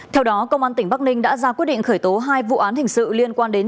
theo đó công an tỉnh bắc ninh đã ra quyết định khởi tố hai vụ án hình sự liên quan đến